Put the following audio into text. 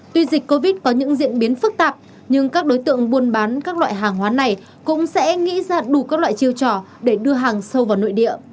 tuy dịch covid có những diễn biến phức tạp nhưng các đối tượng buôn bán các loại hàng hóa này cũng sẽ nghĩ ra đủ các loại chiêu trò để đưa hàng sâu vào nội địa